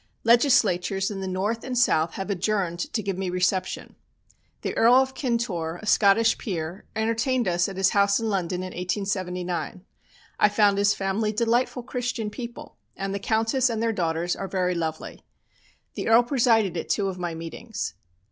Legislatures in the North and South have adjourned to give me reception. The Earl of Kintore, a Scottish peer, entertained us at his house in London in 1879. I found his family delightful Christian people, and the Countess and their daughters are very lovely. The Earl presided at two of my meetings.